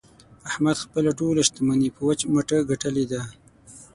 احمد خپله ټوله شمني په وچ مټه ګټلې ده.